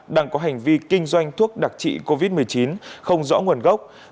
đang có hành vi kinh doanh thuốc đặc trị covid một mươi chín không rõ nguồn gốc